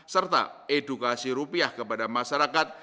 serta edukasi rupiah kepada masyarakat